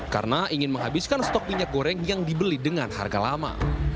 karena ingin menghabiskan stok minyak goreng yang dibeli dengan harga lama